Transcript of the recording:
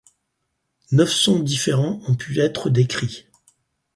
Neuf sons différents ont pu être décrits.